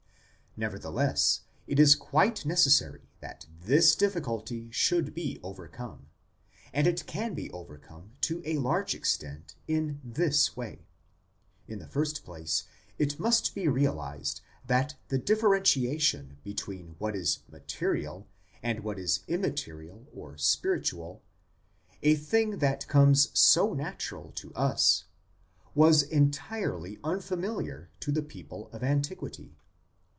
Nevertheless, it is quite necessary that this difficulty should be overcome ; and it can be overcome to a large extent in this way : in the first place it must be realized that the differentiation between what is material and what is immaterial or spiritual, a thing that comes so natural to us, was entirely unfamiliar to the people of antiquity.